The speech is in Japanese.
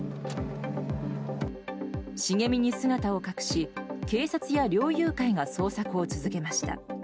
茂みに姿を隠し、警察や猟友会が捜索を続けました。